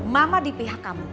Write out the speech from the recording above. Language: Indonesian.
mama di pihak kamu